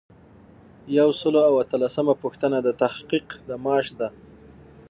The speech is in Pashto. یو سل او اتلسمه پوښتنه د تحقیق د معاش ده.